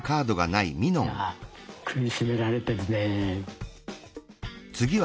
いや苦しめられてるね。